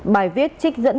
bài viết trích dẫn